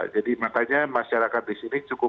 jadi makanya masyarakat di sini cukup